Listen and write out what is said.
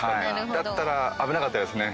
だったら危なかったですね。